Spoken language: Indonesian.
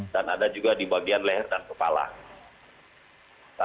dan ada juga di bagian leher dan kepala